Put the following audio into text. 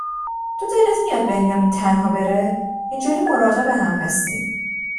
تو دلت میاد بنیامین تنها بره؟ اینجوری مراقب هم هستیم